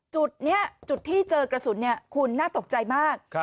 จุดนี้จุดที่เจอกระสุนคุณน่าตกใจมาก